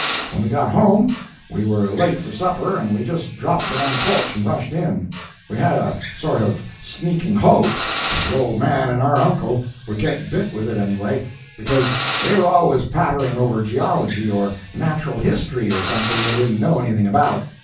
When we got home we were late for supper, and we just dropped it on the porch and rushed in. We had a sort of sneaking hope that the old man and our uncle would get bit with it anyway, because they were always pattering over geology or natural history, or something they didn't know anything about.